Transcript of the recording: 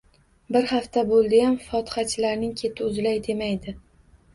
Bir hafta bo’ldiyam fotihachilarning keti uzilay demaydi.